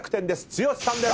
剛さんです。